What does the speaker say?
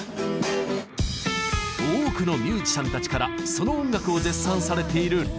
多くのミュージシャンたちからその音楽を絶賛されているＲｅｉ。